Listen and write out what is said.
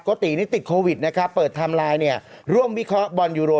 โกติติดโควิดนะครับเปิดทำลายร่วมวิเคราะห์บอลยูโร